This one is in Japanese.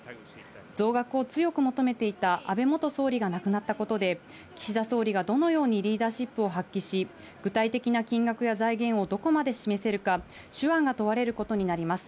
増額を強く求めていた安倍元総理が亡くなったことで、岸田総理がどのようにリーダーシップを発揮し、具体的な金額や財源をどこまで示せるか手腕が問われることになります。